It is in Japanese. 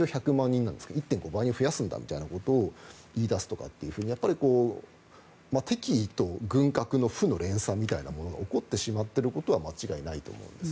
１．５倍に増やすんだということを言い出すとか敵意と軍拡の負の連鎖みたいなものが起こってしまっていることは間違いないと思うんです。